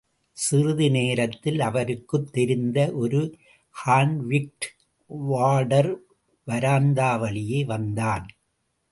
சிறிது நேரத்தில் அவருக்குத் தெரிந்த ஒரு கான்விக்ட் வார்டர் வராந்தாவழியே வந்தான்.